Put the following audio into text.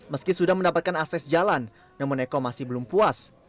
meski sudah mendapatkan akses jalan namun eko masih belum puas